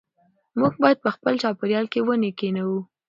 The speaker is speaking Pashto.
موږ باید په خپل چاپېریال کې ونې کېنوو.